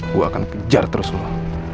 gue akan kejar terus lah